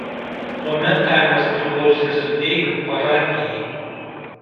Tuomet kaimas priklausė Sudeikių parapijai.